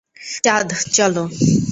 চাঁদ, চলো।